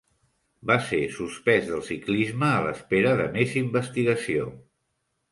Va ser suspès del ciclisme a l'espera de més investigació.